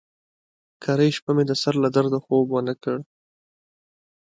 کرۍ شپه مې د سر له درده خوب ونه کړ.